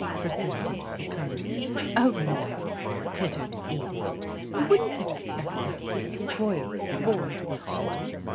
" per sisted the Colonel, " Oh, no," tittered Edith, " you wouldn't expect us to spoil sport, would you?